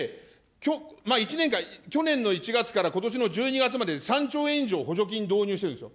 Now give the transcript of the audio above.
１年間、去年の１月からことしの１２月まで、３兆円以上、補助金導入してるんですよ。